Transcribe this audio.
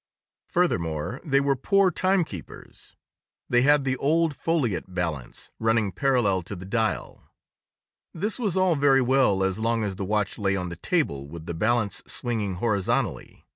Furthermore, they were poor timekeepers. They had the old foliot balance running parallel to the dial. This was all very well as long as the watch lay on the table with the balance swinging horizontally.